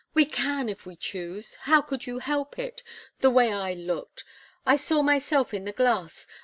We can, if we choose. How could you help it the way I looked! I saw myself in the glass.